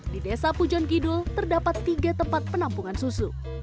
di desa pujon kidul terdapat tiga tempat penampungan susu